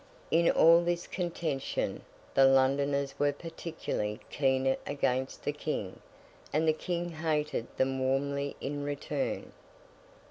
In all this contention, the Londoners were particularly keen against the King, and the King hated them warmly in return.